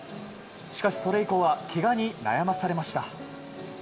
しかし、それ以降はけがに悩まされました。